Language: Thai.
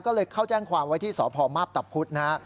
ก็เลยเขาแจ้งความไว้ที่สภมาพตบพุทธ